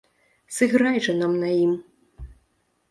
Сыграй жа нам на ім!